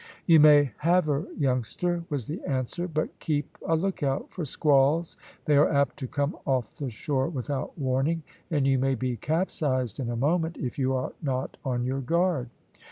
"You may have her, youngster," was the answer; "but keep a look out for squalls; they are apt to come off the shore without warning, and you may be capsized in a moment if you are not on your guard."